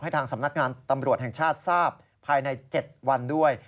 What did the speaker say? ทางสำนักงานตำรวจแห่งชาติทราบภายใน๗วันด้วย